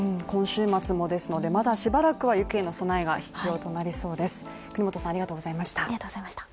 今週末もですので、まだしばらくは雪への備えが必要となりそうです。